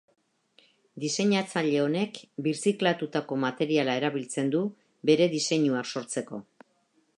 Diseinatzaile honek birziklatutako materiala erabiltzen du bere diseinuak sortzeko.